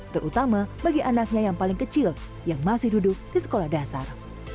terutama bagi anaknya yang paling kecil yang masih duduk di sekolah dasar